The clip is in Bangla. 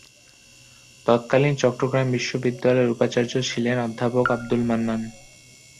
তৎকালীন চট্টগ্রাম বিশ্ববিদ্যালয়ের উপাচার্য ছিলেন অধ্যাপক আবদুল মান্নান।